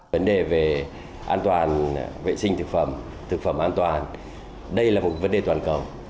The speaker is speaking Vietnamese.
vấn đề về an toàn vệ sinh thực phẩm thực phẩm an toàn đây là một vấn đề toàn cầu